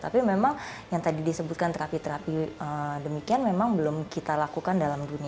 tapi memang yang tadi disebutkan terapi terapi demikian memang belum kita lakukan dalam dunia